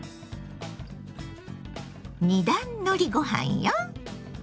二段のりご飯よ。